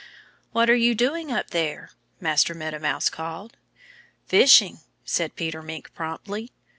"What are you doing up there?" Master Meadow Mouse called. "Fishing!" said Peter Mink promptly.